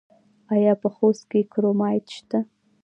آیا په خوست کې کرومایټ شته؟